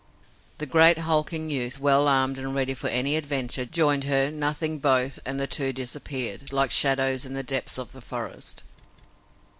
The great, hulking youth, well armed and ready for any adventure, joined her, nothing both, and the two disappeared, like shadows, in the depths of the forest.